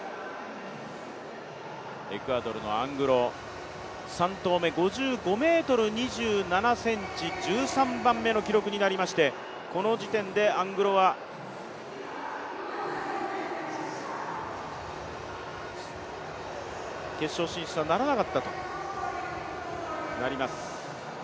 エクアドルのアングロ、３投目５５ｍ２７ｃｍ１３番目の記録になりましてこの時点でアングロは決勝進出とはならなかったとなります。